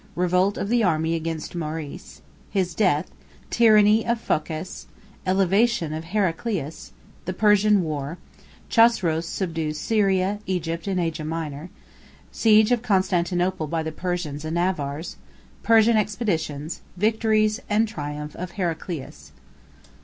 —Revolt Of The Army Against Maurice.—His Death.—Tyranny Of Phocas.—Elevation Of Heraclius.—The Persian War.—Chosroes Subdues Syria, Egypt, And Asia Minor.—Siege Of Constantinople By The Persians And Avars.—Persian Expeditions.—Victories And Triumph Of Heraclius.